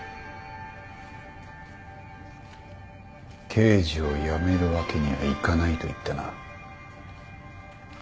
刑事を辞めるわけにはいかないと言ったな。